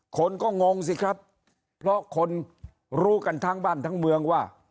คนก็งงสิครับเพราะคนรู้กันทั้งบ้านทั้งเมืองว่า